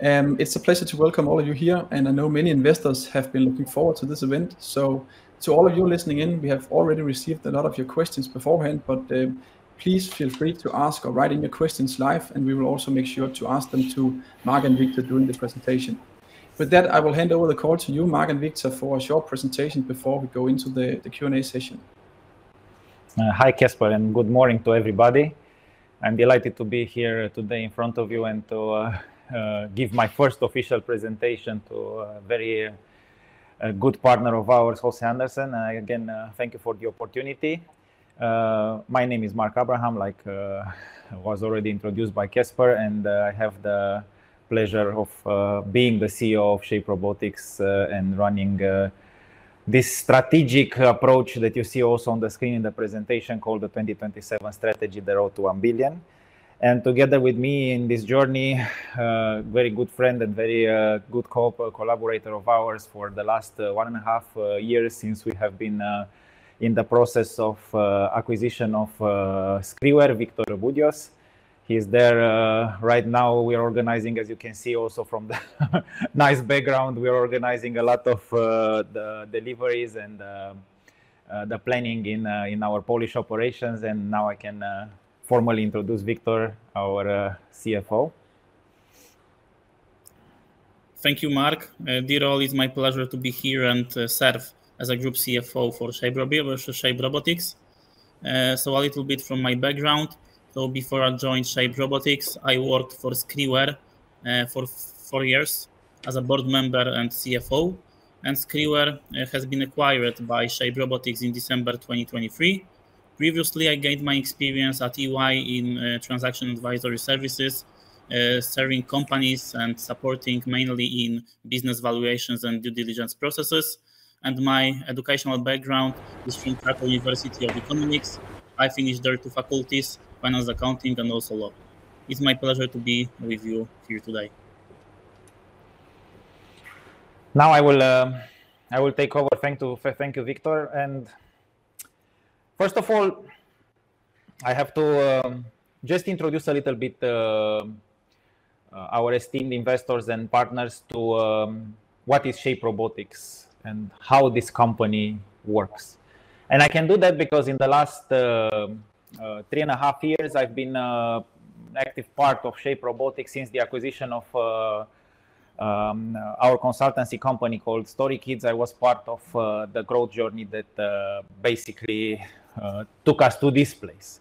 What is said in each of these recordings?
It's a pleasure to welcome all of you here, and I know many investors have been looking forward to this event. So, to all of you listening in, we have already received a lot of your questions beforehand, but please feel free to ask or write in your questions live, and we will also make sure to ask them to Mark and Wiktor during the presentation. With that, I will hand over the call to you, Mark and Wiktor, for a short presentation before we go into the Q&A session. Hi, Kasper, and good morning to everybody. I'm delighted to be here today in front of you and to give my first official presentation to a very good partner of ours, HC Andersen Capital. Again, thank you for the opportunity. My name is Mark Abraham, like I was already introduced by Kasper, and I have the pleasure of being the CEO of Shape Robotics, and running this strategic approach that you see also on the screen in the presentation, called the "2027 Strategy: The Road to One Billion." Together with me in this journey, very good friend and very good collaborator of ours for the last one and a half years, since we have been in the process of acquisition of Skriware, Wiktor Budziosz. He's there right now. We are organizing, as you can see also from the nice background, we are organizing a lot of, the deliveries and, the planning in, in our Polish operations. And now I can, formally introduce Wiktor, our, CFO. Thank you, Mark. It is always my pleasure to be here and serve as a Group CFO for Shape Robotics, Shape Robotics. So a little bit from my background, so before I joined Shape Robotics, I worked for Skriware for four years as a board member and CFO, and Skriware has been acquired by Shape Robotics in December 2023. Previously, I gained my experience at EY in transaction advisory services, serving companies and supporting mainly in business valuations and due diligence processes. My educational background is from Krakow University of Economics. I finished there two faculties, finance, accounting and also law. It's my pleasure to be with you here today. Now I will take over. Thank you, Wiktor. First of all, I have to just introduce a little bit our esteemed investors and partners to what is Shape Robotics and how this company works. I can do that because in the last 3.5 years, I've been an active part of Shape Robotics since the acquisition of our consultancy company called StoryKids. I was part of the growth journey that basically took us to this place.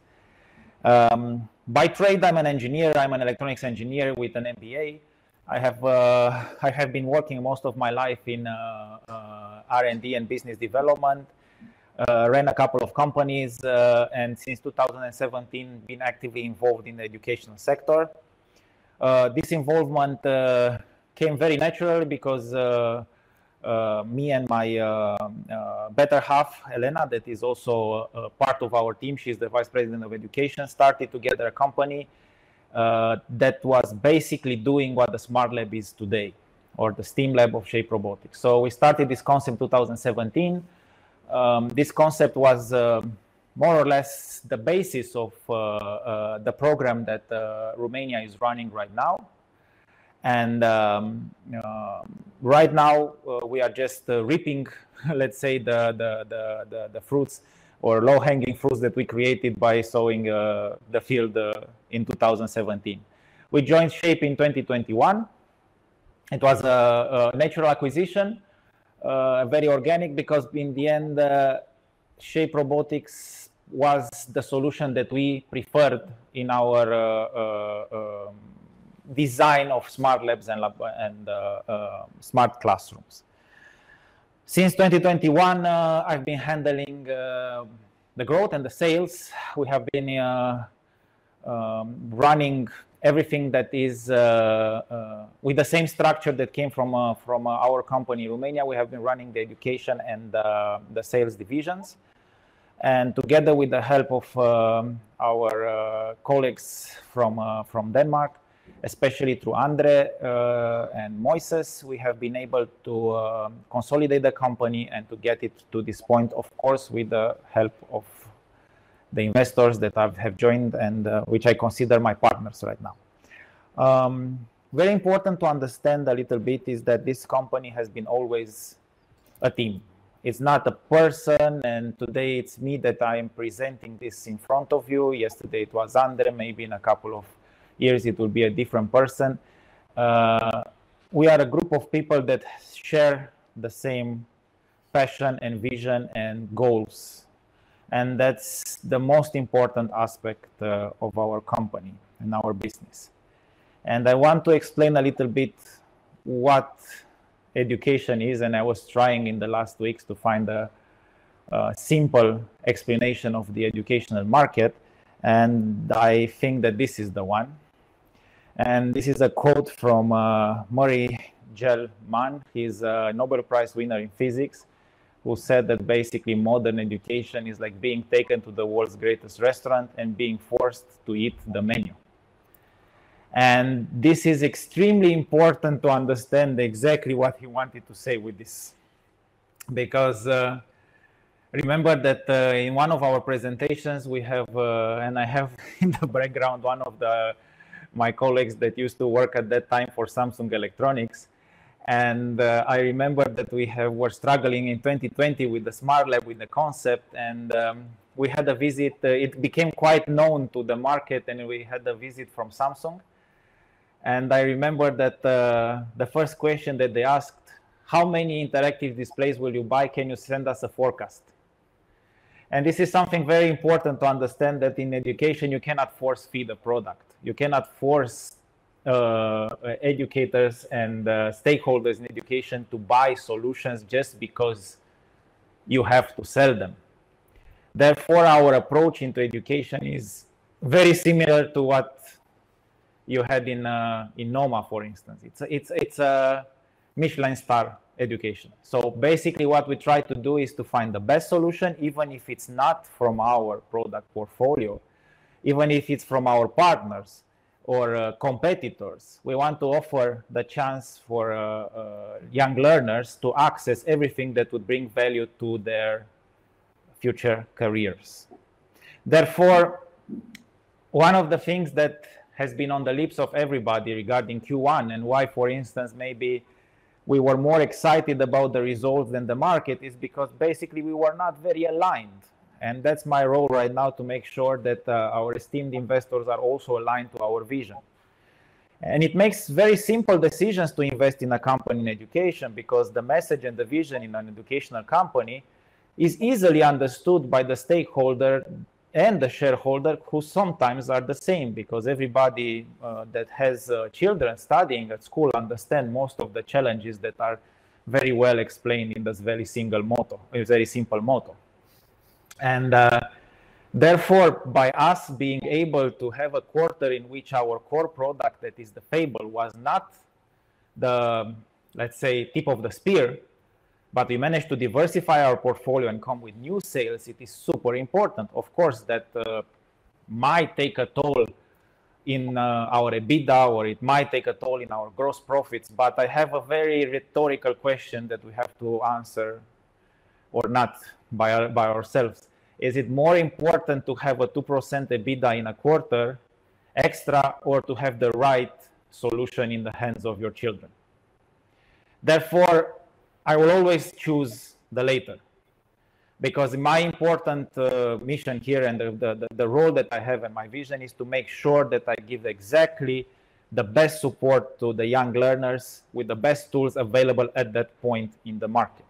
By trade, I'm an engineer. I'm an electronics engineer with an MBA. I have been working most of my life in R&D and business development, ran a couple of companies, and since 2017, been actively involved in the educational sector. This involvement came very naturally because me and my better half, Elena, that is also a part of our team, she's the Vice President of Education, started together a company that was basically doing what the SmartLab is today, or the STEAM Lab of Shape Robotics. So we started this concept in 2017. This concept was more or less the basis of the program that Romania is running right now. Right now, we are just reaping, let's say, the fruits or low-hanging fruits that we created by sowing the field in 2017. We joined Shape in 2021. It was a natural acquisition, very organic, because in the end, Shape Robotics was the solution that we preferred in our design of SmartLab and Smart Classrooms. Since 2021, I've been handling the growth and the sales. We have been running everything that is with the same structure that came from our company, Romania. We have been running the education and the sales divisions. And together with the help of our colleagues from Denmark, especially through André and Moises, we have been able to consolidate the company and to get it to this point, of course, with the help of the investors that have joined and which I consider my partners right now. Very important to understand a little bit is that this company has been always a team. It's not a person, and today it's me that I'm presenting this in front of you. Yesterday it was André, maybe in a couple of years, it will be a different person. We are a group of people that share the same passion and vision and goals, and that's the most important aspect of our company and our business. I want to explain a little bit what education is, and I was trying in the last weeks to find a simple explanation of the educational market, and I think that this is the one. This is a quote from Murray Gell-Mann. He's a Nobel Prize winner in physics, who said that basically, "Modern education is like being taken to the world's greatest restaurant and being forced to eat the menu." And this is extremely important to understand exactly what he wanted to say with this, because, remember that, in one of our presentations, we have, and I have in the background one of the, my colleagues that used to work at that time for Samsung Electronics. And, I remember that we were struggling in 2020 with the SmartLab, with the concept, and, we had a visit. It became quite known to the market, and we had a visit from Samsung. And I remember that, the first question that they asked: "How many interactive displays will you buy? Can you send us a forecast?" And this is something very important to understand, that in education, you cannot force-feed a product. You cannot force educators and stakeholders in education to buy solutions just because you have to sell them. Therefore, our approach into education is very similar to what you had in Noma, for instance. It's a Michelin star education. So basically, what we try to do is to find the best solution, even if it's not from our product portfolio, even if it's from our partners or competitors. We want to offer the chance for young learners to access everything that would bring value to their future careers. Therefore, one of the things that has been on the lips of everybody regarding Q1 and why, for instance, maybe we were more excited about the results than the market, is because basically we were not very aligned. That's my role right now, to make sure that our esteemed investors are also aligned to our vision. It makes very simple decisions to invest in a company in education, because the message and the vision in an educational company is easily understood by the stakeholder and the shareholder, who sometimes are the same. Because everybody that has children studying at school understand most of the challenges that are very well explained in this very single motto, a very simple motto. And, therefore, by us being able to have a quarter in which our core product, that is the Fable, was not the, let's say, tip of the spear, but we managed to diversify our portfolio and come with new sales, it is super important. Of course, that might take a toll in our EBITDA, or it might take a toll in our gross profits, but I have a very rhetorical question that we have to answer, or not, by ourselves: Is it more important to have a 2% EBITDA in a quarter extra, or to have the right solution in the hands of your children? Therefore, I will always choose the latter, because my important mission here and the role that I have and my vision, is to make sure that I give exactly the best support to the young learners with the best tools available at that point in the market.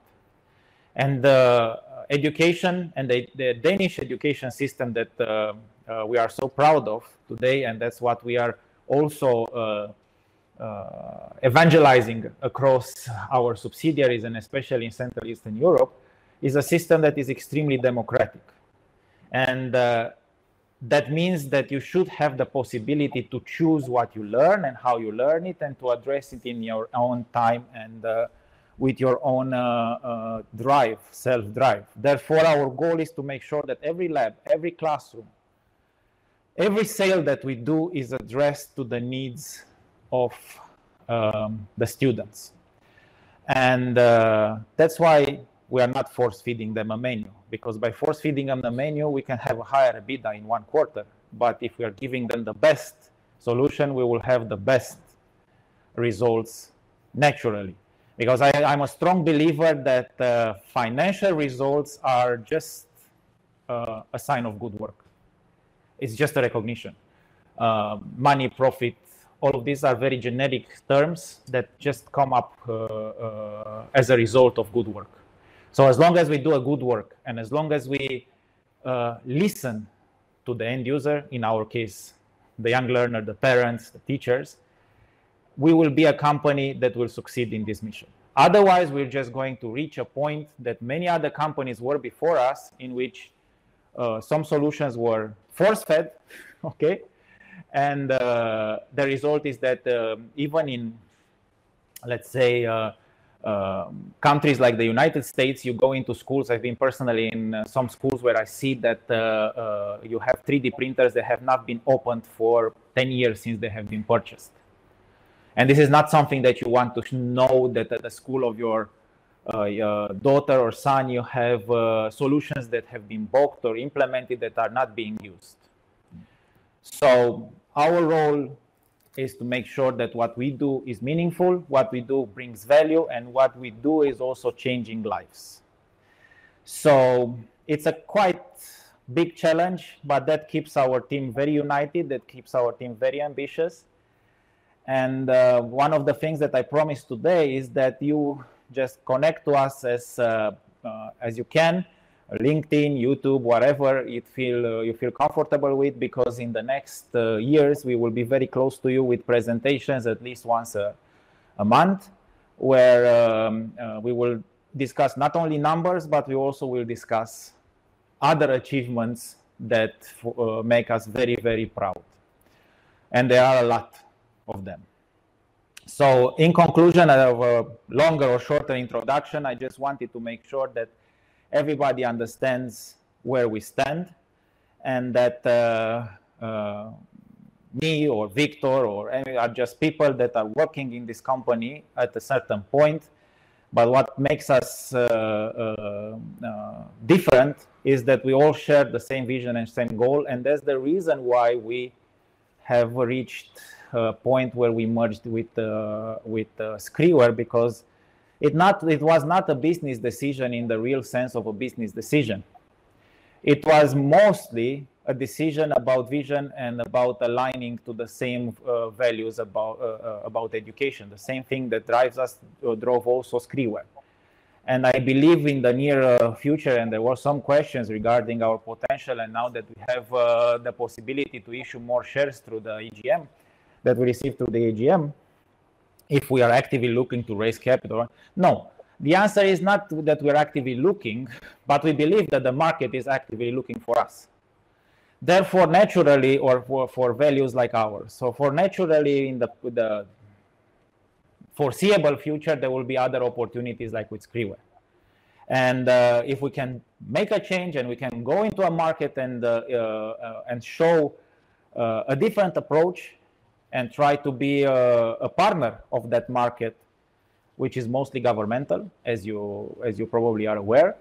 The education and the Danish education system that we are so proud of today, and that's what we are also evangelizing across our subsidiaries, and especially in Central Eastern Europe, is a system that is extremely democratic. That means that you should have the possibility to choose what you learn and how you learn it, and to address it in your own time and with your own drive, self-drive. Therefore, our goal is to make sure that every lab, every classroom, every sale that we do is addressed to the needs of, the students. And that's why we are not force-feeding them a menu, because by force-feeding them the menu, we can have a higher EBITDA in one quarter. But if we are giving them the best solution, we will have the best results naturally. Because I, I'm a strong believer that, financial results are just, a sign of good work. It's just a recognition. Money, profit, all of these are very generic terms that just come up, as a result of good work. So as long as we do a good work, and as long as we listen to the end user, in our case, the young learner, the parents, the teachers, we will be a company that will succeed in this mission. Otherwise, we're just going to reach a point that many other companies were before us, in which some solutions were force-fed, okay? And the result is that even in, let's say, countries like the United States, you go into schools, I've been personally in some schools where I see that you have 3D printers that have not been opened for 10 years since they have been purchased. This is not something that you want to know, that at the school of your, your daughter or son, you have solutions that have been booked or implemented that are not being used. So our role is to make sure that what we do is meaningful, what we do brings value, and what we do is also changing lives. So it's a quite big challenge, but that keeps our team very united, that keeps our team very ambitious. One of the things that I promise today is that you just connect to us as you can, LinkedIn, YouTube, whatever you feel comfortable with, because in the next years, we will be very close to you with presentations at least once a month, where we will discuss not only numbers, but we also will discuss other achievements that make us very, very proud. And there are a lot of them. So in conclusion, of a longer or shorter introduction, I just wanted to make sure that everybody understands where we stand and that me or Wiktor or any are just people that are working in this company at a certain point. But what makes us different is that we all share the same vision and same goal, and that's the reason why we have reached a point where we merged with Skriware, because it not- it was not a business decision in the real sense of a business decision. It was mostly a decision about vision and about aligning to the same values, about education. The same thing that drives us drove also Skriware. And I believe in the near future, and there were some questions regarding our potential, and now that we have the possibility to issue more shares through the AGM, that we received through the AGM, if we are actively looking to raise capital. No, the answer is not that we are actively looking, but we believe that the market is actively looking for us. Therefore, naturally, for values like ours, so naturally in the foreseeable future, there will be other opportunities like with Skriware. And if we can make a change and we can go into a market and show a different approach and try to be a partner of that market, which is mostly governmental, as you probably are aware,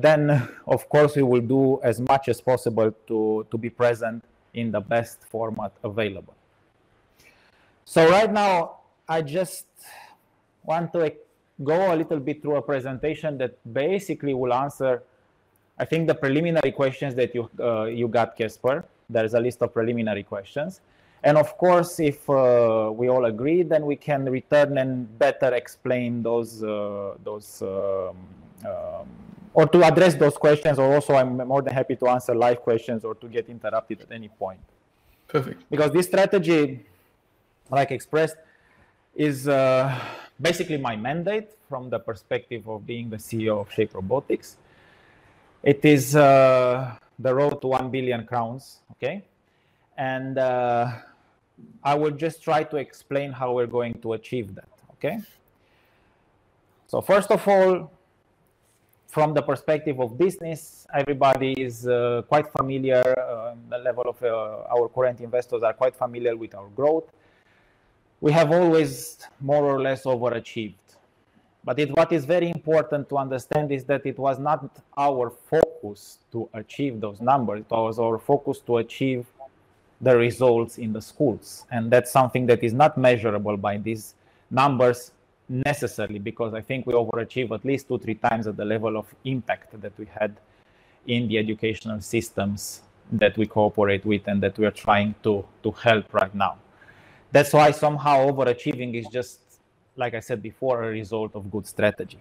then of course, we will do as much as possible to be present in the best format available. So right now, I just want to, like, go a little bit through a presentation that basically will answer, I think, the preliminary questions that you got, Kasper. There is a list of preliminary questions. And of course, if we all agree, then we can return and better explain those... To address those questions. Also, I'm more than happy to answer live questions or to get interrupted at any point. Perfect. Because this strategy, like expressed, is basically my mandate from the perspective of being the CEO of Shape Robotics. It is the road to 1 billion crowns, okay? And I will just try to explain how we're going to achieve that. Okay? So first of all, from the perspective of business, our current investors are quite familiar with our growth. We have always more or less overachieved, but what is very important to understand is that it was not our focus to achieve those numbers. It was our focus to achieve the results in the schools, and that's something that is not measurable by these numbers necessarily, because I think we overachieve at least 2-3 times at the level of impact that we had in the educational systems that we cooperate with and that we are trying to help right now. That's why somehow overachieving is just, like I said before, a result of good strategy.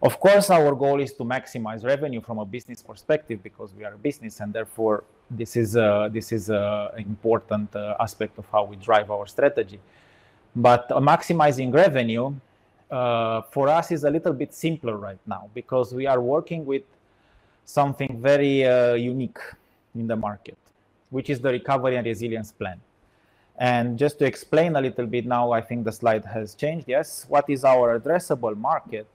Of course, our goal is to maximize revenue from a business perspective because we are a business, and therefore, this is a important aspect of how we drive our strategy. But maximizing revenue for us is a little bit simpler right now because we are working with something very unique in the market, which is the Recovery and Resilience Plan. And just to explain a little bit, now, I think the slide has changed. Yes, what is our addressable market?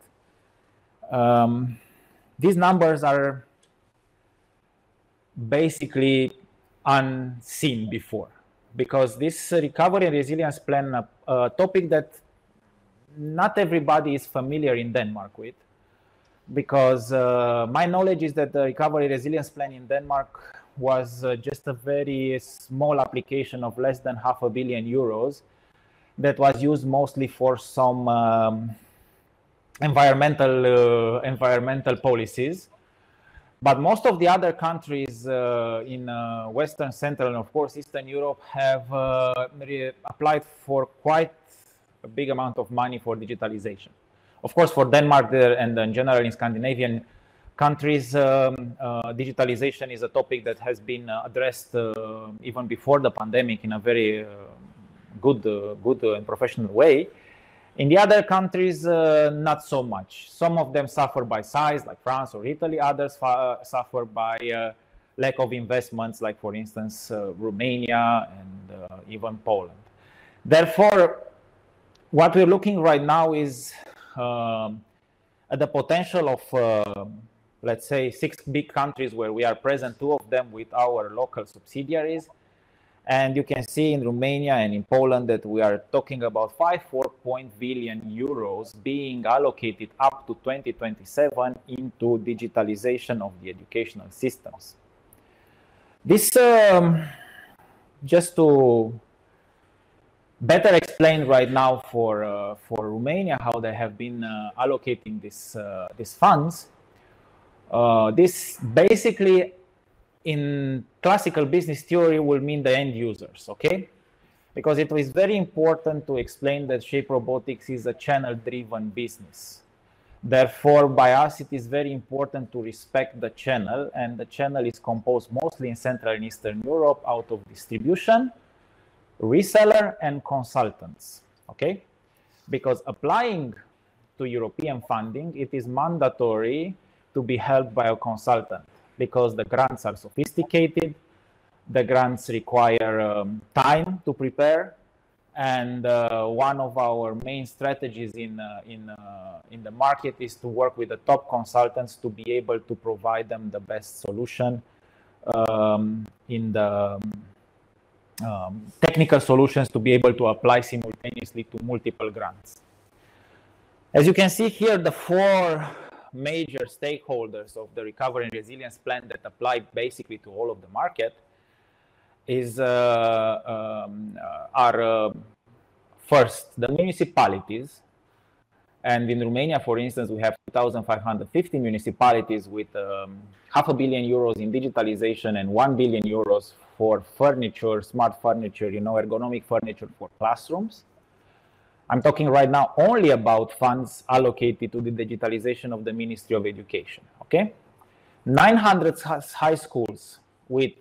These numbers are basically unseen before because this Recovery and Resilience Plan, a topic that not everybody is familiar in Denmark with. Because, my knowledge is that the Recovery and Resilience Plan in Denmark was just a very small application of less than 500 million euros that was used mostly for some environmental policies. But most of the other countries in Western, Central, and of course, Eastern Europe have reapplied for quite a big amount of money for digitalization. Of course, for Denmark, there, and then generally in Scandinavian countries, digitalization is a topic that has been addressed even before the pandemic in a very good and professional way. In the other countries, not so much. Some of them suffer by size, like France or Italy. Others suffer by lack of investments, like for instance, Romania and even Poland. Therefore, what we're looking right now is at the potential of, let's say, six big countries where we are present, two of them with our local subsidiaries. And you can see in Romania and in Poland that we are talking about 5.4 billion euros being allocated up to 2027 into digitalization of the educational systems. This just to better explain right now for Romania, how they have been allocating these funds. This basically in classical business theory, will mean the end users, okay? Because it is very important to explain that Shape Robotics is a channel-driven business. Therefore, by us, it is very important to respect the channel, and the channel is composed mostly in Central and Eastern Europe out of distribution, reseller, and consultants, okay? Because applying to European funding, it is mandatory to be helped by a consultant because the grants are sophisticated, the grants require time to prepare and one of our main strategies in the market is to work with the top consultants to be able to provide them the best solution in the technical solutions to be able to apply simultaneously to multiple grants. As you can see here, the four major stakeholders of the Recovery and Resilience Plan that apply basically to all of the market are first, the municipalities. And in Romania, for instance, we have 2,550 municipalities with 500 million euros in digitalization and 1 billion euros for furniture, smart furniture, you know, ergonomic furniture for classrooms. I'm talking right now only about funds allocated to the digitalization of the Ministry of Education. Okay? 900 high schools, with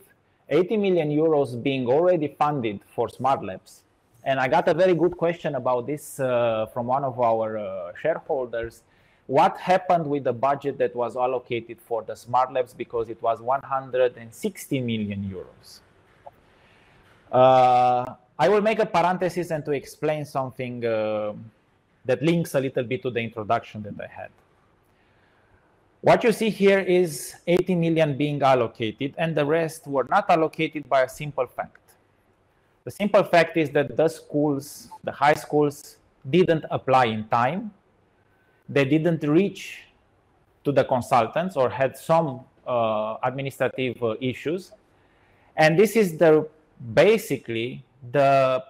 80 million euros being already funded for smart labs. And I got a very good question about this from one of our shareholders: What happened with the budget that was allocated for the smart labs because it was 160 million euros? I will make a parenthesis and to explain something that links a little bit to the introduction that I had. What you see here is 80 million being allocated, and the rest were not allocated by a simple fact. The simple fact is that the schools, the high schools, didn't apply in time. They didn't reach to the consultants or had some, administrative issues. And this is the—basically, the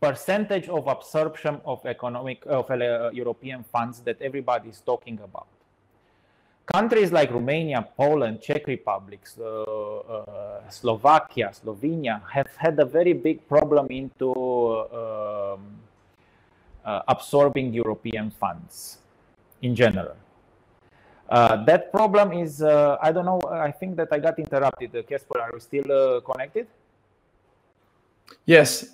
percentage of absorption of economic, of, European funds that everybody's talking about. Countries like Romania, Poland, Czech Republic, so, Slovakia, Slovenia, have had a very big problem into, absorbing European funds in general. That problem is, I don't know, I think that I got interrupted. Kasper, are we still, connected? Yes.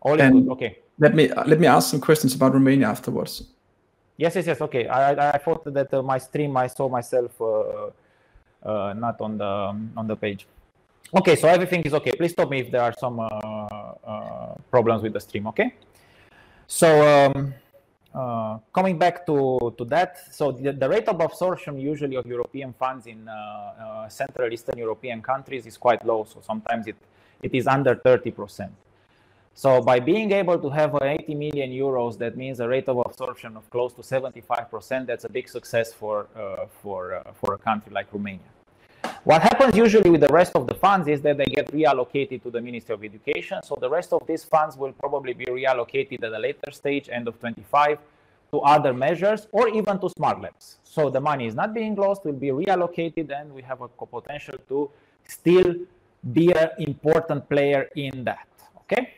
All okay. Let me, let me ask some questions about Romania afterwards. Yes, yes, yes. Okay. I thought that my stream, I saw myself, not on the page. Okay, so everything is okay. Please stop me if there are some problems with the stream, okay? So, coming back to that, so the rate of absorption, usually of European funds in Central Eastern European countries is quite low, so sometimes it is under 30%. So by being able to have 80 million euros, that means a rate of absorption of close to 75%, that's a big success for a country like Romania. What happens usually with the rest of the funds is that they get reallocated to the Ministry of Education. So the rest of these funds will probably be reallocated at a later stage, end of 2025, to other measures or even to smart labs. So the money is not being lost, will be reallocated, and we have a potential to still be an important player in that. Okay?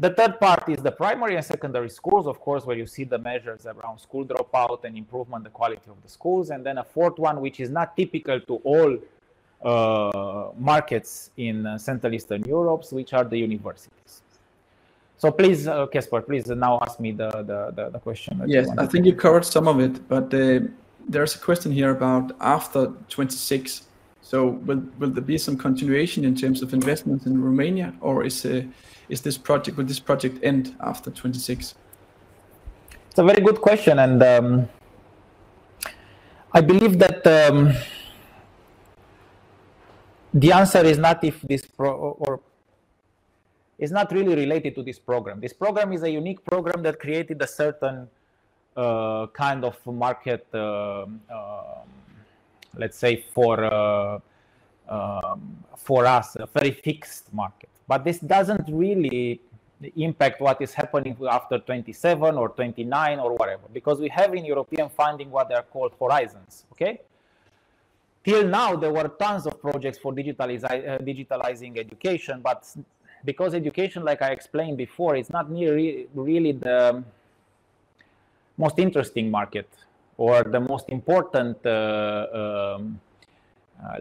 The third part is the primary and secondary schools, of course, where you see the measures around school dropout and improvement, the quality of the schools, and then a fourth one, which is not typical to all markets in Central Eastern Europe, which are the universities. So please, Kasper, please now ask me the question that you want. Yes, I think you covered some of it, but, there's a question here about after 2026. So will, will there be some continuation in terms of investments in Romania, or is, is this project-- will this project end after 2026? It's a very good question, and I believe that the answer is not if this pro or it's not really related to this program. This program is a unique program that created a certain kind of market, let's say, for us, a very fixed market. But this doesn't really impact what is happening after 27 or 29 or whatever, because we have in European funding what are called Horizons. Okay? Till now, there were tons of projects for digitalizing education, but because education, like I explained before, is not nearly really the most interesting market or the most important,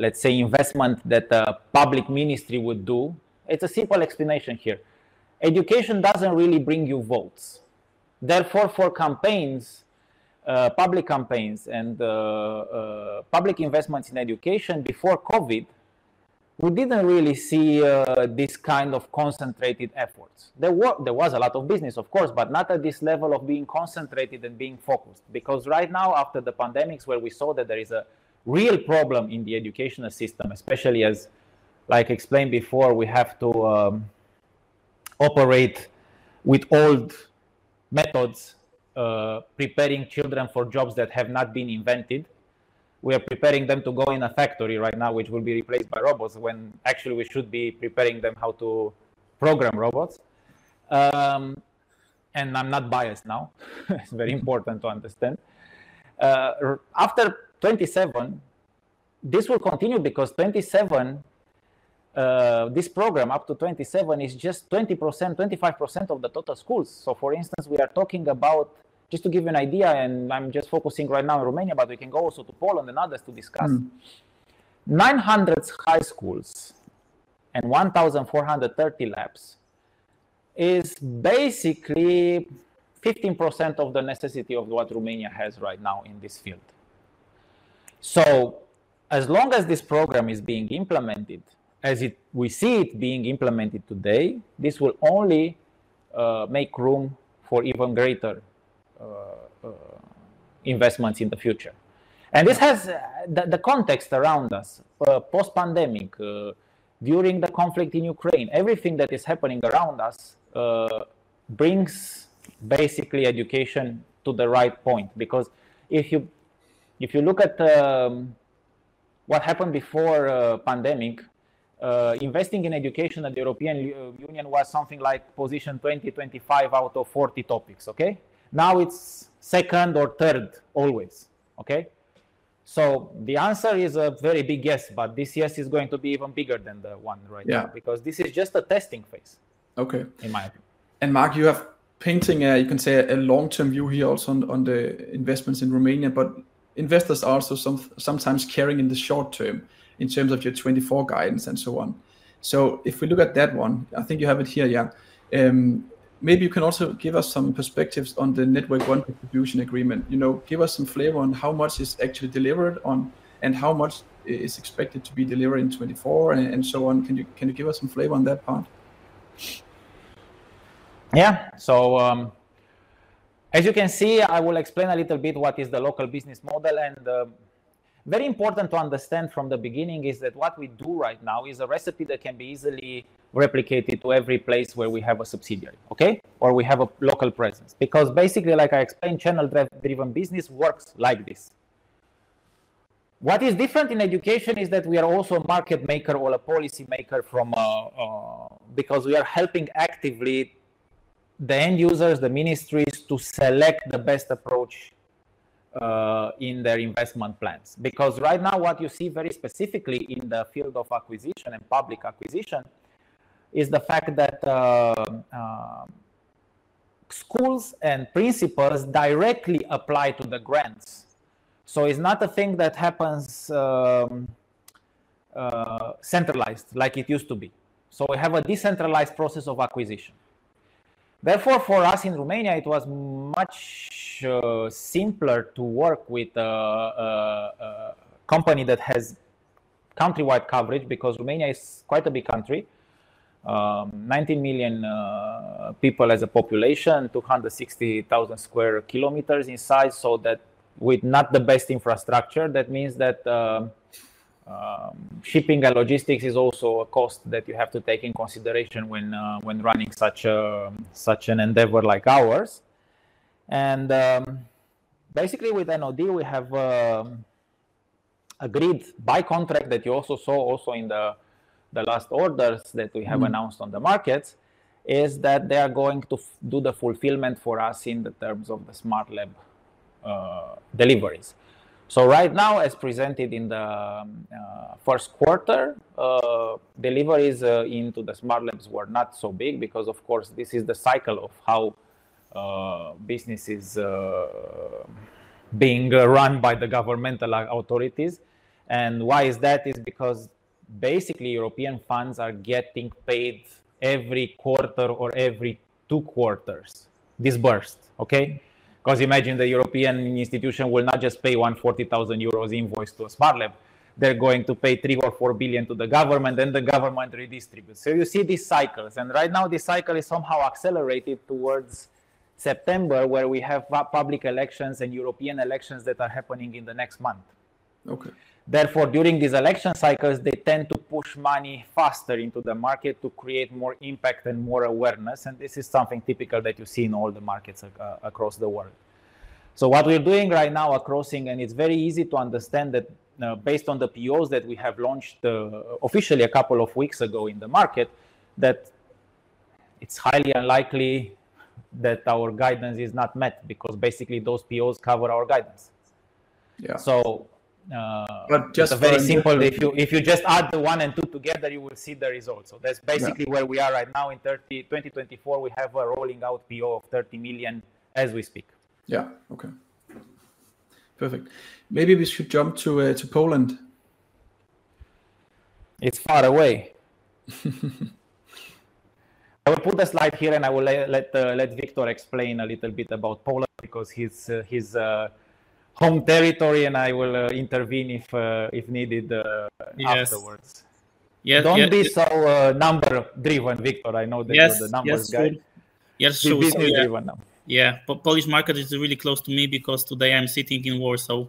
let's say, investment that a public ministry would do. It's a simple explanation here. Education doesn't really bring you votes. Therefore, for campaigns, public campaigns and, public investments in education before COVID, we didn't really see, this kind of concentrated efforts. There was a lot of business, of course, but not at this level of being concentrated and being focused. Because right now, after the pandemics, where we saw that there is a real problem in the educational system, especially as, like explained before, we have to, operate with old methods, preparing children for jobs that have not been invented. We are preparing them to go in a factory right now, which will be replaced by robots, when actually we should be preparing them how to program robots. And I'm not biased now, it's very important to understand. After 2027, this will continue because 2027, this program, up to 2027, is just 20%, 25% of the total schools. So for instance, we are talking about, just to give you an idea, and I'm just focusing right now on Romania, but we can go also to Poland and others to discuss. Mm. 900 high schools and 1,430 labs is basically 15% of the necessity of what Romania has right now in this field. So as long as this program is being implemented as we see it being implemented today, this will only make room for even greater investments in the future. And this has the context around us, post-pandemic, during the conflict in Ukraine, everything that is happening around us brings basically education to the right point. Because if you look at what happened before pandemic, investing in education at the European Union was something like position 20-25 out of 40 topics, okay? Now it's second or third always, okay? So the answer is a very big yes, but this yes is going to be even bigger than the one right now- Yeah... because this is just a testing phase- Okay - in my opinion. And Mark, you have painted a, you can say, a long-term view here also on, on the investments in Romania, but investors are also sometimes caring in the short term, in terms of your 2024 guidance and so on. So if we look at that one, I think you have it here, yeah. Maybe you can also give us some perspectives on the Network One contribution agreement. You know, give us some flavor on how much is actually delivered on, and how much is expected to be delivered in 2024 and so on. Can you, can you give us some flavor on that part? Yeah. So, as you can see, I will explain a little bit what is the local business model. Very important to understand from the beginning is that what we do right now is a recipe that can be easily replicated to every place where we have a subsidiary, okay? Or we have a local presence. Because basically, like I explained, channel-driven business works like this. What is different in education is that we are also a market maker or a policy maker from... Because we are helping actively the end users, the ministries, to select the best approach, in their investment plans. Because right now, what you see very specifically in the field of acquisition and public acquisition, is the fact that, schools and principals directly apply to the grants. So it's not a thing that happens, centralized like it used to be. So we have a decentralized process of acquisition. Therefore, for us in Romania, it was much simpler to work with a company that has countrywide coverage, because Romania is quite a big country. Ninety million people as a population, 260,000 square kilometers in size, so that with not the best infrastructure, that means that shipping and logistics is also a cost that you have to take in consideration when running such a such an endeavor like ours. Basically, with NOD, we have agreed by contract that you also saw also in the last orders that we have announced on the markets, is that they are going to do the fulfillment for us in the terms of the SmartLab deliveries. So right now, as presented in the first quarter, deliveries into the SmartLabs were not so big, because of course, this is the cycle of how business is being run by the governmental authorities. Why is that? Is because basically, European funds are getting paid every quarter or every two quarters disbursed, okay? Because imagine the European institution will not just pay 140,000 euros invoice to a SmartLab, they're going to pay 3 billion or 4 billion to the government, then the government redistributes. So you see these cycles, and right now this cycle is somehow accelerated towards September, where we have public elections and European elections that are happening in the next month. Okay. Therefore, during these election cycles, they tend to push money faster into the market to create more impact and more awareness, and this is something typical that you see in all the markets across the world. So what we're doing right now at Crossing, and it's very easy to understand that, based on the POs that we have launched, officially a couple of weeks ago in the market, that it's highly unlikely that our guidance is not met, because basically those POs cover our guidance. Yeah. So, uh- But just for- It's very simple. If you, if you just add the 1 and 2 together, you will see the results. Yeah. So that's basically where we are right now in 2024, we have a rolling out PO of 30 million as we speak. Yeah. Okay. Perfect. Maybe we should jump to, to Poland. It's far away. I will put the slide here, and I will let Wiktor explain a little bit about Poland, because his home territory, and I will intervene if needed. Yes... afterwards. Yes, yes- Don't be so, number driven, Wiktor. I know that- Yes... you're the numbers guy. Yes, true. Please be driven now. Yeah. Polish market is really close to me because today I'm sitting in Warsaw,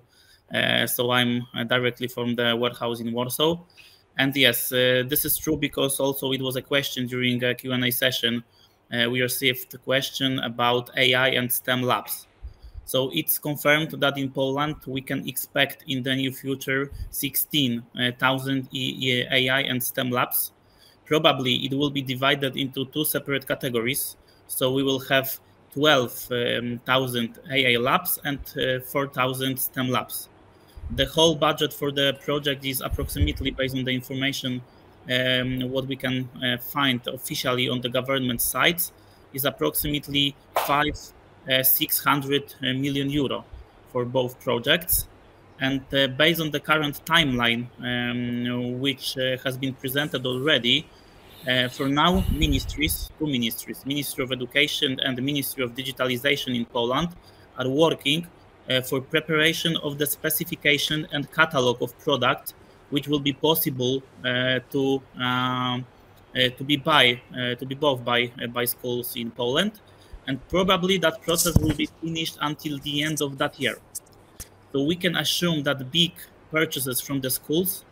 so I'm directly from the warehouse in Warsaw. And yes, this is true because also it was a question during the Q&A session, we received a question about AI and STEM labs. So it's confirmed that in Poland, we can expect in the near future 16,000 AI and STEM labs. Probably, it will be divided into two separate categories. So we will have 12,000 AI labs and 4,000 STEM labs. The whole budget for the project is approximately based on the information what we can find officially on the government site, is approximately 560 million euro for both projects. And, based on the current timeline, which has been presented already-... For now, ministries, two ministries, Ministry of Education and the Ministry of Digitalization in Poland, are working for preparation of the specification and catalog of product, which will be possible to be bought by by schools in Poland. Probably that process will be finished until the end of that year. We can assume that big purchases from the schools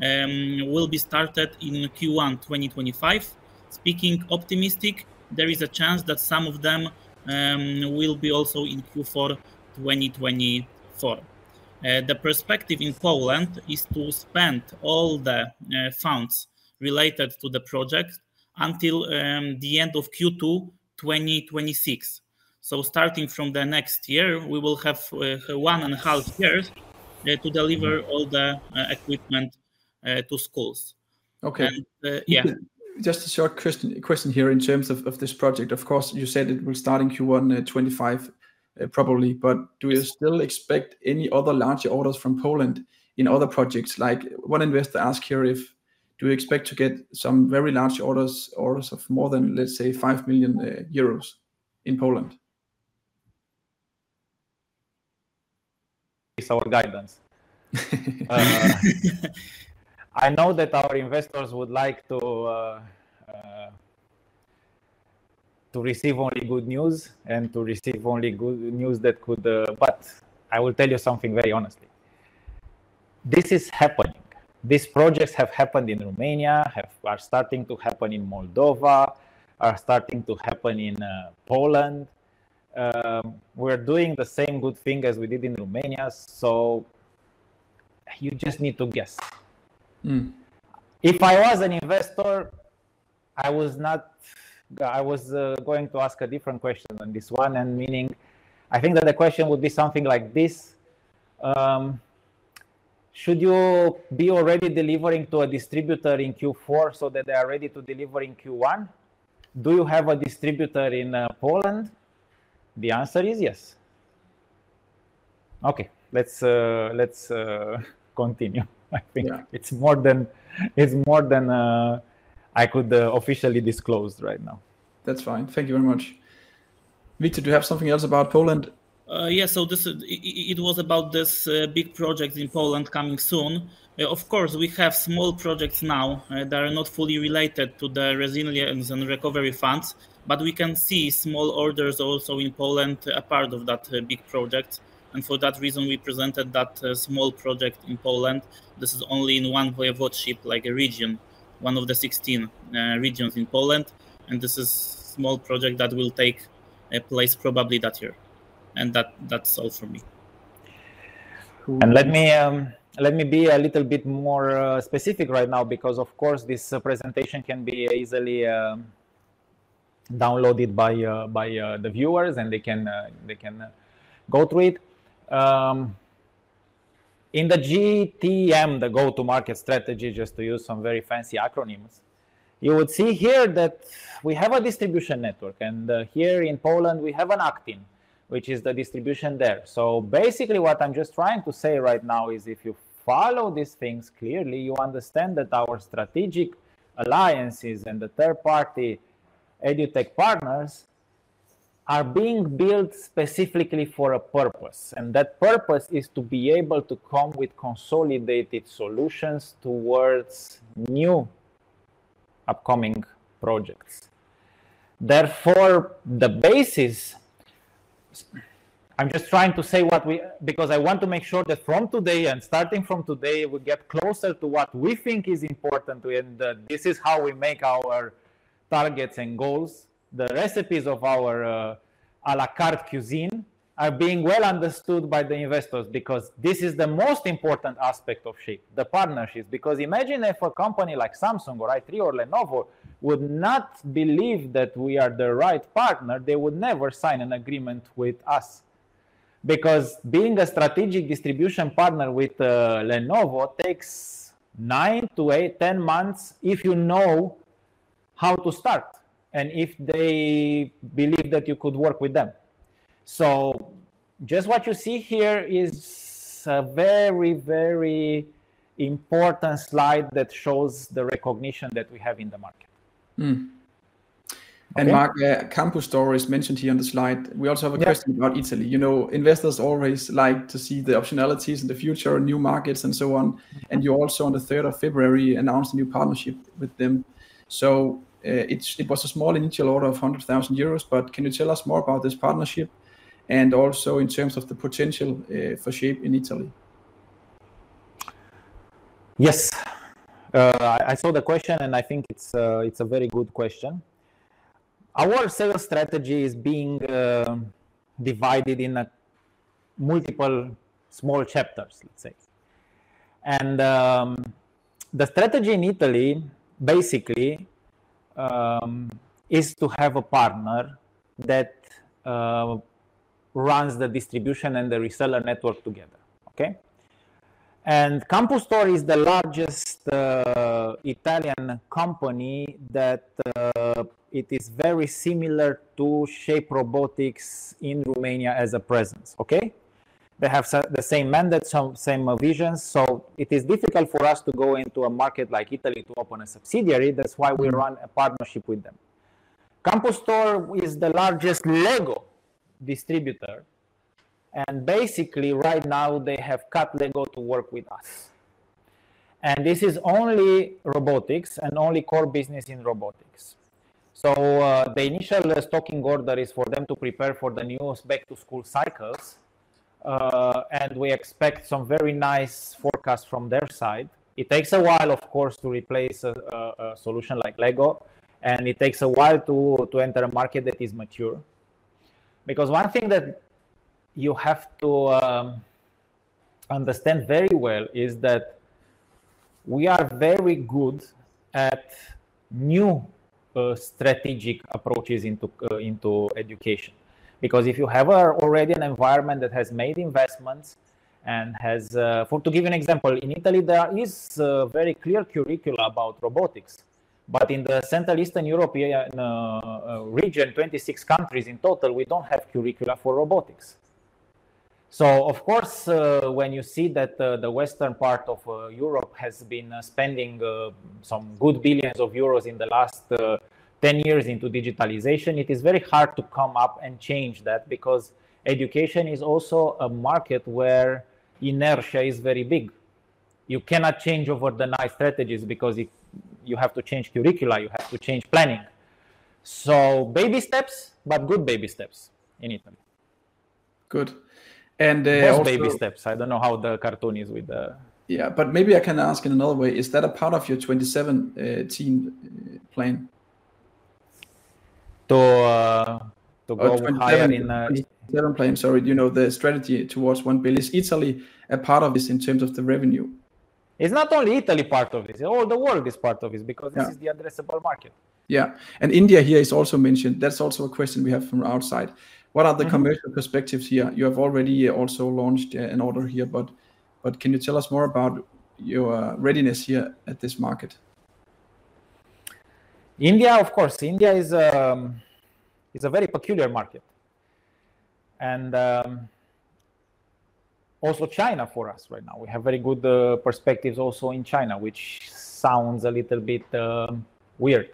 will be started in Q1 2025. Speaking optimistically, there is a chance that some of them will be also in Q4 2024. The perspective in Poland is to spend all the funds related to the project until the end of Q2 2026. Starting from the next year, we will have one and a half years to deliver all the equipment to schools. Okay. And, yeah. Just a short question, question here in terms of, of this project. Of course, you said it will start in Q1, 2025, probably, but do you still expect any other larger orders from Poland in other projects? Like, one investor asked here if, do you expect to get some very large orders, orders of more than, let's say, 5 million euros in Poland? It's our guidance. I know that our investors would like to receive only good news and to receive only good news that could... But I will tell you something very honestly, this is happening. These projects have happened in Romania, are starting to happen in Moldova, are starting to happen in Poland. We're doing the same good thing as we did in Romania, so you just need to guess. Mm. If I was an investor, I was going to ask a different question on this one, and meaning I think that the question would be something like this: should you be already delivering to a distributor in Q4 so that they are ready to deliver in Q1? Do you have a distributor in Poland? The answer is yes. Okay, let's continue. Yeah. I think it's more than I could officially disclose right now. That's fine. Thank you very much. Witek, do you have something else about Poland? Yes. So this is it was about this big project in Poland coming soon. Of course, we have small projects now that are not fully related to the resilience and recovery funds, but we can see small orders also in Poland, a part of that big project. And for that reason, we presented that small project in Poland. This is only in one voivodeship, like a region, 1 of the 16 regions in Poland, and this is small project that will take place probably that year. And that, that's all from me. And let me be a little bit more specific right now, because, of course, this presentation can be easily downloaded by the viewers, and they can go through it. In the GTM, the go-to-market strategy, just to use some very fancy acronyms, you would see here that we have a distribution network, and here in Poland, we have an Aktin, which is the distribution there. So basically, what I'm just trying to say right now is, if you follow these things clearly, you understand that our strategic alliances and the third-party edutech partners are being built specifically for a purpose, and that purpose is to be able to come with consolidated solutions toward new upcoming projects. Therefore, the basis. I'm just trying to say what we... Because I want to make sure that from today, and starting from today, we get closer to what we think is important, and, this is how we make our targets and goals. The recipes of our, à la carte cuisine are being well understood by the investors. Because this is the most important aspect of Shape, the partnerships. Because imagine if a company like Samsung or i3 or Lenovo would not believe that we are the right partner, they would never sign an agreement with us. Because being a strategic distribution partner with, Lenovo takes 9 to 8, 10 months, if you know how to start, and if they believe that you could work with them. So just what you see here is a very, very important slide that shows the recognition that we have in the market. Mm. Okay? Mark, CampuStore is mentioned here on the slide. Yeah. We also have a question about Italy. You know, investors always like to see the optionalities in the future, new markets, and so on. And you also, on the third of February, announced a new partnership with them. So, it was a small initial order of 100,000 euros, but can you tell us more about this partnership, and also in terms of the potential, for Shape in Italy? Yes. I saw the question, and I think it's a very good question. Our sales strategy is being divided in a multiple small chapters, let's say. And the strategy in Italy basically is to have a partner that runs the distribution and the reseller network together. Okay? And CampuStore is the largest Italian company that it is very similar to Shape Robotics in Romania as a presence, okay? They have the same mandate, same visions. So it is difficult for us to go into a market like Italy to open a subsidiary, that's why- Mm... we run a partnership with them. CampuStore is the largest Lego distributor, and basically, right now they have cut Lego to work with us. And this is only robotics and only core business in robotics. So, the initial stocking order is for them to prepare for the newest back-to-school cycles, and we expect some very nice forecast from their side. It takes a while, of course, to replace a solution like Lego, and it takes a while to enter a market that is mature. Because one thing that you have to understand very well is that we are very good at new strategic approaches into education. Because if you have already an environment that has made investments and has... To give you an example, in Italy, there is very clear curricula about robotics, but in the Central Eastern European region, 26 countries in total, we don't have curricula for robotics. So of course, when you see that the western part of Europe has been spending some good billions of EUR in the last 10 years into digitalization, it is very hard to come up and change that, because education is also a market where inertia is very big. You cannot change overnight strategies because if you have to change curricula, you have to change planning. So baby steps, but good baby steps in Italy. Good. And, also- Most baby steps. I don't know how the cartoon is with the- Yeah, but maybe I can ask in another way, is that a part of your 27, team plan? To go higher in, 27 plan, sorry. You know, the strategy towards 1 billion. Is Italy a part of this in terms of the revenue? It's not only Italy part of this. All the world is part of this. Yeah... because this is the addressable market. Yeah. And India here is also mentioned. That's also a question we have from outside. Mm-hmm. What are the commercial perspectives here? You have already also launched an order here, but can you tell us more about your readiness here at this market? India, of course, India is a very peculiar market. Also China for us right now. We have very good perspectives also in China, which sounds a little bit weird.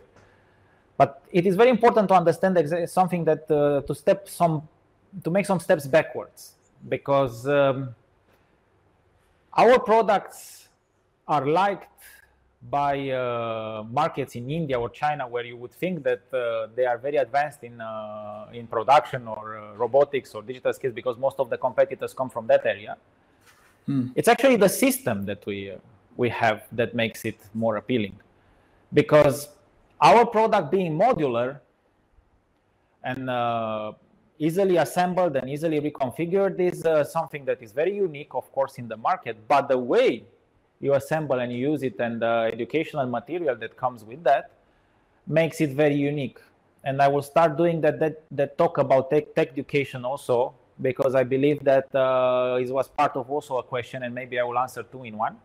It is very important to understand there's something that to make some steps backwards. Our products are liked by markets in India or China, where you would think that they are very advanced in production or robotics or digital skills, because most of the competitors come from that area. Mm. It's actually the system that we, we have that makes it more appealing. Because our product being modular and easily assembled and easily reconfigured is something that is very unique, of course, in the market. But the way you assemble and use it, and the educational material that comes with that, makes it very unique. And I will start doing that talk about tech education also, because I believe that it was part of also a question, and maybe I will answer two in one.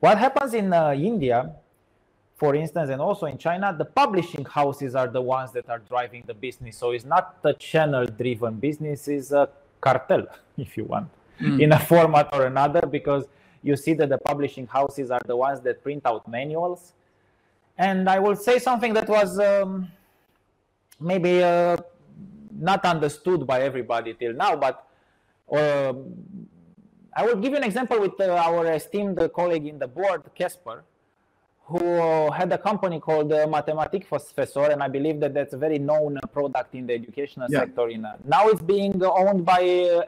What happens in India, for instance, and also in China, the publishing houses are the ones that are driving the business. So it's not a channel-driven business, it's a cartel, if you want- Mm... in a format or another, because you see that the publishing houses are the ones that print out manuals. And I will say something that was, maybe, not understood by everybody till now, but I will give you an example with our esteemed colleague in the board, Kasper, who had a company called MatematikFessor, and I believe that that's a very known product in the educational sector in- Yeah. Now it's being owned by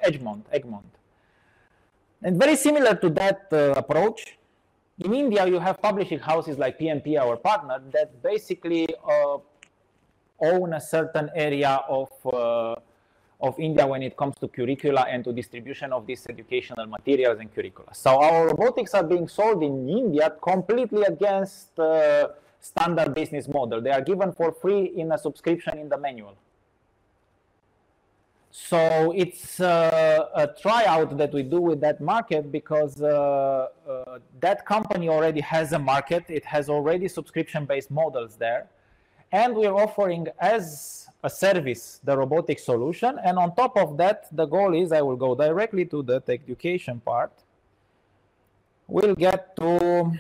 Egmont, Egmont. And very similar to that approach, in India, you have publishing houses like PMP, our partner, that basically own a certain area of of India when it comes to curricula and to distribution of these educational materials and curricula. So our robotics are being sold in India completely against the standard business model. They are given for free in a subscription in the manual. So it's a tryout that we do with that market because that company already has a market, it has already subscription-based models there, and we are offering as a service, the robotic solution. And on top of that, the goal is, I will go directly to the tech education part. We'll get to...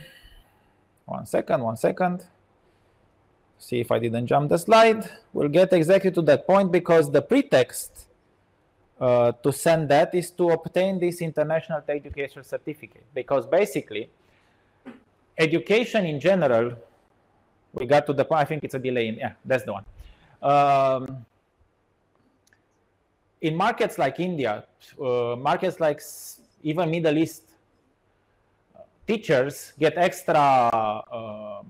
One second, one second. See if I didn't jump the slide. We'll get exactly to that point, because the pretext to send that is to obtain this international tech education certificate. Because basically, education in general, in markets like India, markets like even Middle East, teachers get extra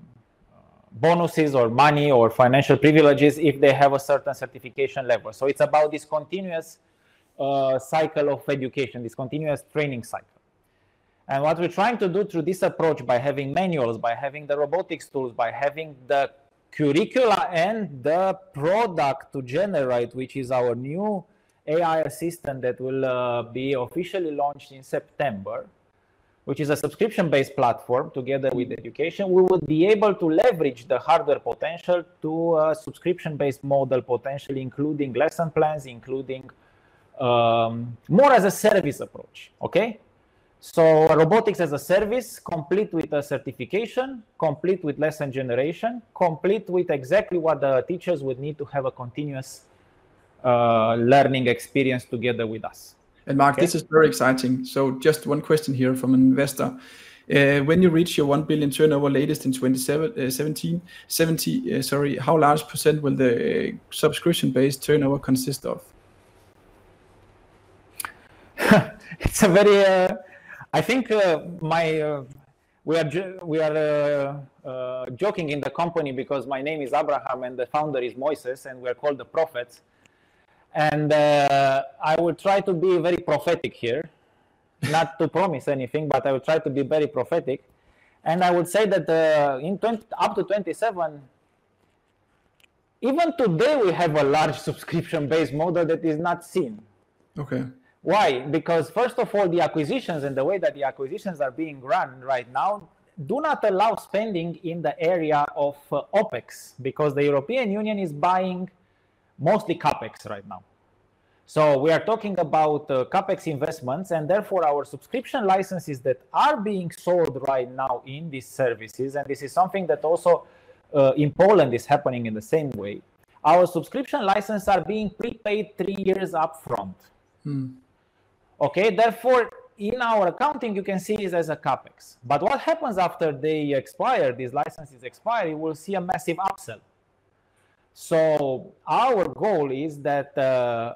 bonuses or money, or financial privileges if they have a certain certification level. So it's about this continuous cycle of education, this continuous training cycle. And what we're trying to do through this approach, by having manuals, by having the robotics tools, by having the curricula and the product to generate, which is our new AI assistant that will be officially launched in September-... which is a subscription-based platform together with education, we would be able to leverage the hardware potential to a subscription-based model, potentially including lesson plans, more as a service approach. Okay? So robotics as a service, complete with a certification, complete with lesson generation, complete with exactly what the teachers would need to have a continuous, learning experience together with us. And Mark, this is very exciting. So just one question here from an investor. When you reach your 1 billion turnover latest in 2027, how large percent will the subscription-based turnover consist of? It's a very, I think, we are joking in the company because my name is Abraham, and the founder is Moises, and we are called the prophets. I will try to be very prophetic here. Not to promise anything, but I will try to be very prophetic, and I would say that in 2020 up to 2027, even today, we have a large subscription-based model that is not seen. Okay. Why? Because first of all, the acquisitions and the way that the acquisitions are being run right now do not allow spending in the area of OpEx, because the European Union is buying mostly CapEx right now. So we are talking about CapEx investments, and therefore, our subscription licenses that are being sold right now in these services, and this is something that also in Poland is happening in the same way. Our subscription licenses are being prepaid three years upfront. Mm. Okay? Therefore, in our accounting, you can see this as a CapEx. But what happens after they expire, these licenses expire, you will see a massive upsell. So our goal is that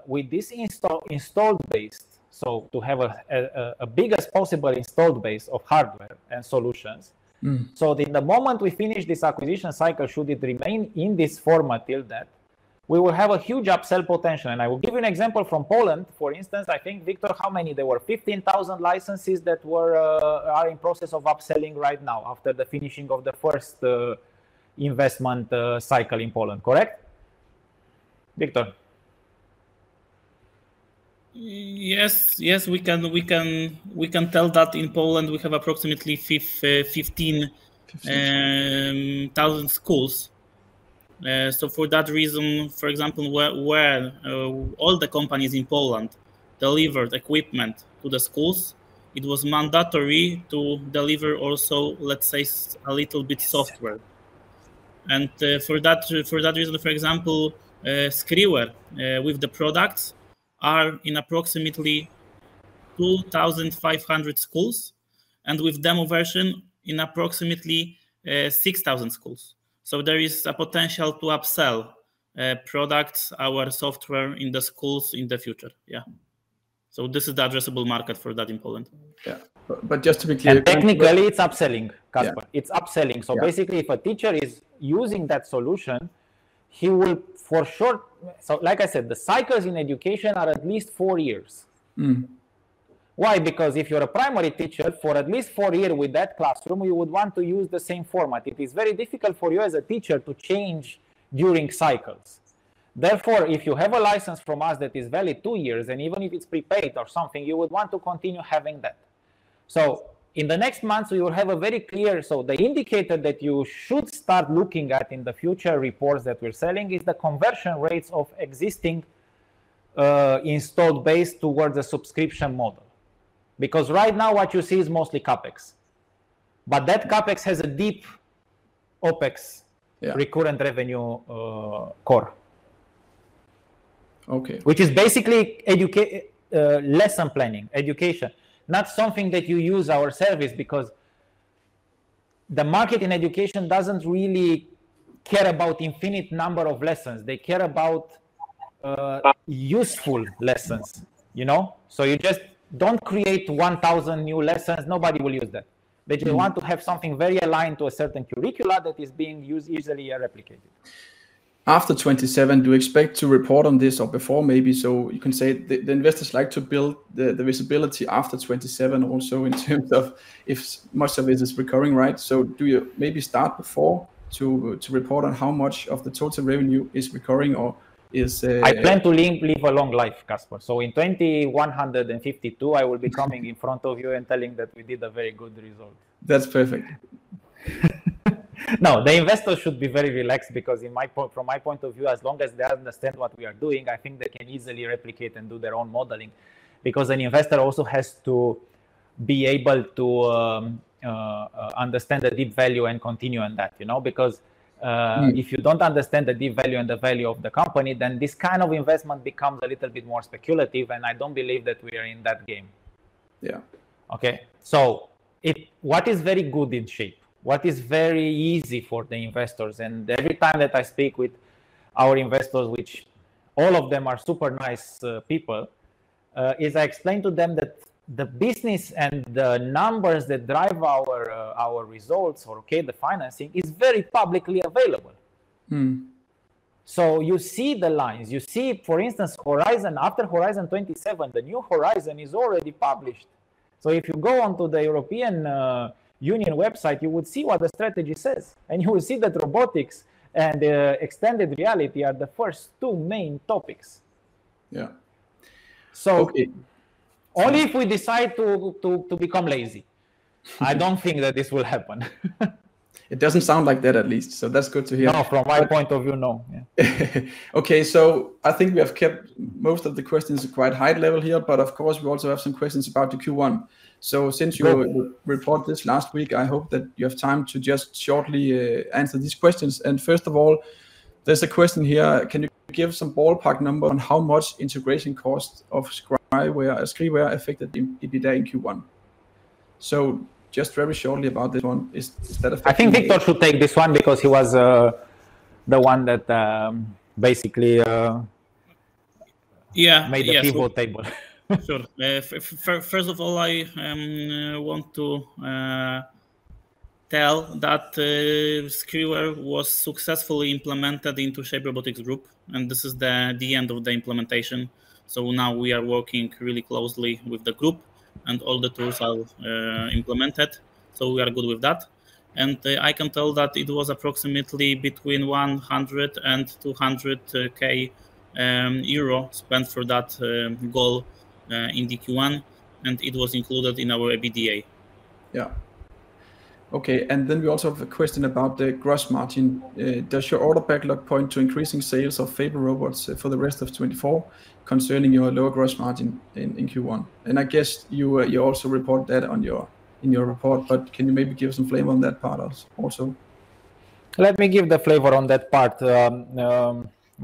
with this installed base, so to have a biggest possible installed base of hardware and solutions- Mm. The moment we finish this acquisition cycle, should it remain in this format till then, we will have a huge upsell potential. I will give you an example from Poland, for instance. I think, Wiktor, how many? There were 15,000 licenses that were, are in process of upselling right now after the finishing of the first, investment, cycle in Poland. Correct, Wiktor? Yes, yes, we can, we can, we can tell that in Poland, we have approximately 15,000 schools. So for that reason, for example, where all the companies in Poland delivered equipment to the schools, it was mandatory to deliver also, let's say, a little bit software. And, for that, for that reason, for example, Skriware, with the products, are in approximately 2,500 schools, and with demo version in approximately, 6,000 schools. So there is a potential to upsell, products, our software in the schools in the future. Yeah. So this is the addressable market for that in Poland. Yeah. Just to be clear- Technically, it's upselling, Kasper. Yeah. It's upselling. Yeah. Basically, if a teacher is using that solution, he will for sure... Like I said, the cycles in education are at least four years. Mm. Why? Because if you're a primary teacher for at least four year with that classroom, you would want to use the same format. It is very difficult for you as a teacher to change during cycles. Therefore, if you have a license from us that is valid two years, and even if it's prepaid or something, you would want to continue having that. So in the next months, we will have a very clear. So the indicator that you should start looking at in the future reports that we're selling is the conversion rates of existing, installed base towards the subscription model. Because right now what you see is mostly CapEx, but that CapEx has a deep OpEx- Yeah... recurrent revenue, core. Okay. Which is basically lesson planning, education, not something that you use our service because the market in education doesn't really care about infinite number of lessons. They care about useful lessons, you know? So you just don't create 1,000 new lessons. Nobody will use them. Mm. They just want to have something very aligned to a certain curricula that is being used, easily replicated. After 2027, do you expect to report on this or before, maybe? So you can say the investors like to build the visibility after 2027 also in terms of if much of it is recurring, right? So do you maybe start before to report on how much of the total revenue is recurring or is- I plan to live, live a long life, Kasper. So in 2152, I will be coming in front of you and telling that we did a very good result. That's perfect. No, the investors should be very relaxed because from my point of view, as long as they understand what we are doing, I think they can easily replicate and do their own modeling. Because an investor also has to be able to understand the deep value and continue on that, you know? Because, Mm... if you don't understand the deep value and the value of the company, then this kind of investment becomes a little bit more speculative, and I don't believe that we are in that game. Yeah. Okay. So if... What is very good in Shape, what is very easy for the investors, and every time that I speak with our investors, which all of them are super nice, people, is I explain to them that the business and the numbers that drive our, our results or, okay, the financing, is very publicly available. Mm. You see the lines. You see, for instance, Horizon, after Horizon 27, the new Horizon is already published. So if you go onto the European Union website, you would see what the strategy says, and you will see that robotics and extended reality are the first two main topics.... Yeah. So- Only if we decide to become lazy. I don't think that this will happen. It doesn't sound like that, at least, so that's good to hear. No, from my point of view, no. Yeah. Okay, so I think we have kept most of the questions quite high level here, but of course, we also have some questions about the Q1. So, since you- Yeah... reported this last week, I hope that you have time to just shortly answer these questions. And first of all, there's a question here: Can you give some ballpark number on how much integration cost of Skriware affected the EBITDA in Q1? So just very shortly about this one, is that affecting the- I think Wiktor should take this one because he was the one that basically Yeah, yes made the pivot table. Sure. First of all, I want to tell that Skriware was successfully implemented into Shape Robotics Group, and this is the end of the implementation. So now we are working really closely with the group, and all the tools are implemented, so we are good with that. And I can tell that it was approximately between 100K and 200K euro spent for that goal in the Q1, and it was included in our EBITDA. Yeah. Okay, and then we also have a question about the gross margin. Does your order backlog point to increasing sales of Fable robots for the rest of 2024, concerning your lower gross margin in Q1? And I guess you also report that in your report, but can you maybe give some flavor on that part also? Let me give the flavor on that part.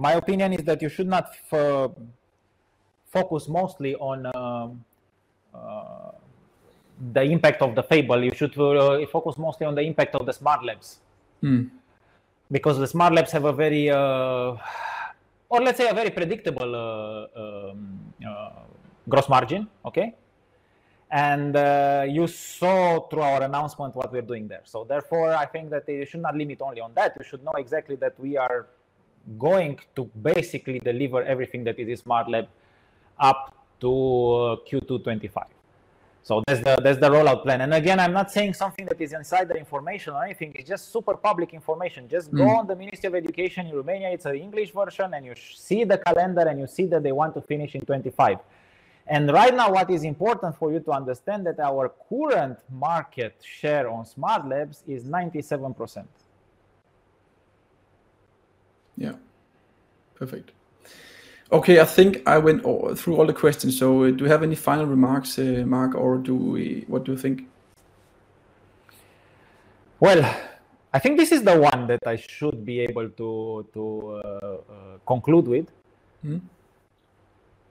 My opinion is that you should not focus mostly on the impact of the Fable. You should focus mostly on the impact of the SmartLabs. Mm. Because the SmartLabs have a very, or let's say a very predictable, gross margin. Okay? And, you saw through our announcement what we're doing there. So therefore, I think that you should not limit only on that. You should know exactly that we are going to basically deliver everything that is SmartLab up to Q2 2025. So that's the, that's the rollout plan. And again, I'm not saying something that is inside information or anything. It's just super public information. Mm. Just go on the Ministry of Education in Romania. It's an English version, and you see the calendar, and you see that they want to finish in 2025. And right now, what is important for you to understand, that our current market share on SmartLabs is 97%. Yeah. Perfect. Okay, I think I went through all the questions, so do you have any final remarks, Mark, or do we... What do you think? Well, I think this is the one that I should be able to conclude with. Mm-hmm.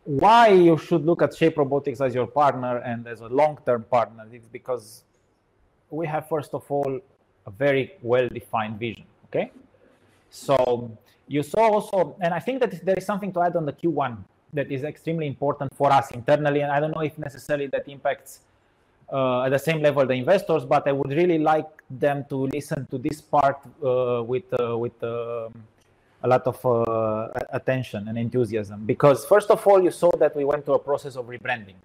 Why you should look at Shape Robotics as your partner and as a long-term partner, is because we have, first of all, a very well-defined vision. Okay? So you saw also... And I think that there is something to add on the Q1 that is extremely important for us internally, and I don't know if necessarily that impacts at the same level the investors, but I would really like them to listen to this part with a lot of attention and enthusiasm. Because, first of all, you saw that we went through a process of rebranding.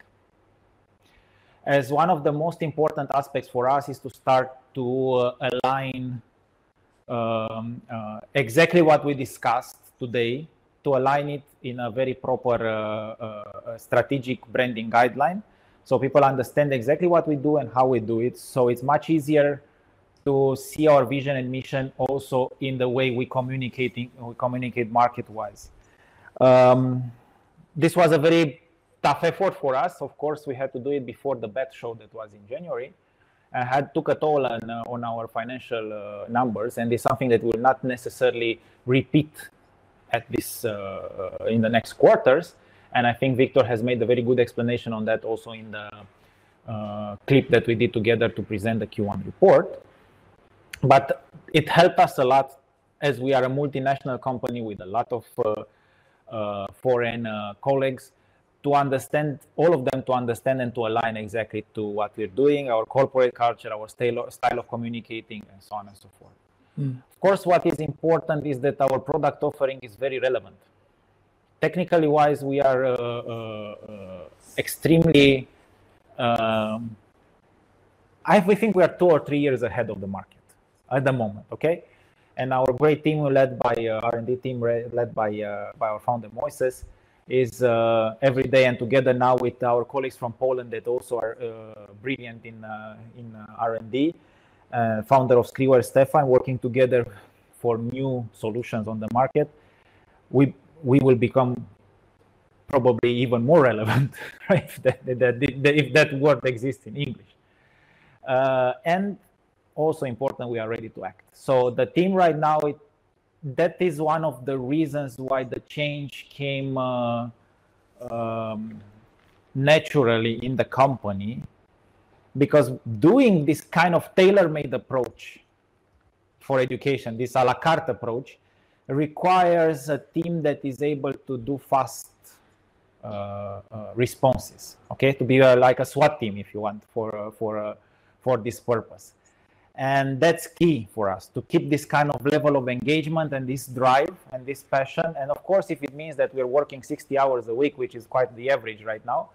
As one of the most important aspects for us, is to start to align exactly what we discussed today, to align it in a very proper strategic branding guideline, so people understand exactly what we do and how we do it. So it's much easier to see our vision and mission also in the way we communicating, we communicate market-wise. This was a very tough effort for us. Of course, we had to do it before the Bett Show, that was in January, and had took a toll on, on our financial, numbers, and it's something that will not necessarily repeat at this, in the next quarters. And I think Wiktor has made a very good explanation on that also in the, clip that we did together to present the Q1 report. But it helped us a lot, as we are a multinational company with a lot of, foreign, colleagues, to understand, all of them to understand and to align exactly to what we're doing, our corporate culture, our style, style of communicating, and so on and so forth. Mm. Of course, what is important is that our product offering is very relevant. Technically-wise, we are extremely. We think we are two or three years ahead of the market at the moment, okay? And our great team, led by R&D team, led by our founder, Moises, is every day and together now with our colleagues from Poland, that also are brilliant in in R&D. Founder of Skriware, Stefan, working together for new solutions on the market. We will become probably even more relevant, right? If that word exists in English. And also important, we are ready to act. So the team right now, that is one of the reasons why the change came naturally in the company. Because doing this kind of tailor-made approach for education, this à la carte approach, requires a team that is able to do fast responses, okay? To be like a SWAT team, if you want, for this purpose. And that's key for us, to keep this kind of level of engagement and this drive and this passion. And of course, if it means that we're working 60 hours a week, which is quite the average right now,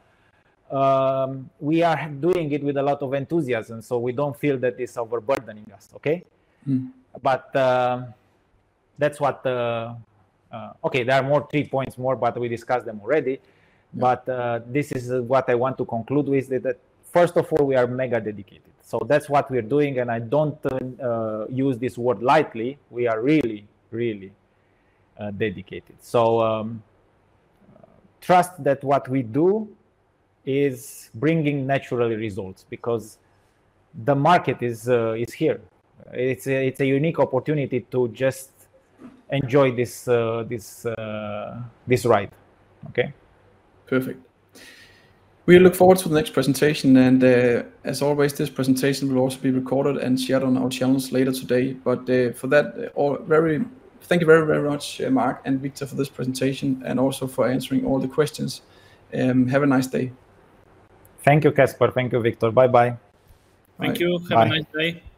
we are doing it with a lot of enthusiasm, so we don't feel that it's overburdening us. Okay? Mm. But, that's what... Okay, there are more, three points more, but we discussed them already. Mm. But, this is what I want to conclude with, is that, first of all, we are mega dedicated. So that's what we're doing, and I don't use this word lightly. We are really, really dedicated. So, trust that what we do is bringing naturally results, because the market is, it's here. It's a, it's a unique opportunity to just enjoy this, this ride. Okay? Perfect. We look forward to the next presentation, and, as always, this presentation will also be recorded and shared on our channels later today. But, for that, thank you very, very much, Mark and Wiktor, for this presentation and also for answering all the questions. Have a nice day. Thank you, Kasper. Thank you, Wiktor. Bye bye. Thank you. Bye. Have a nice day.